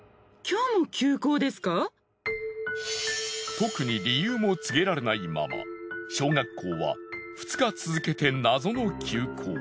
特に理由も告げられないまま小学校は２日続けて謎の休校。